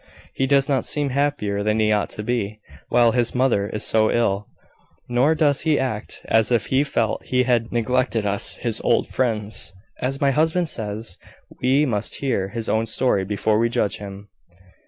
He does not seem happier than he ought to be, while his mother is so ill: nor does he act as if he felt he had neglected us, his old friends. As my husband says, we must hear his own story before we judge him."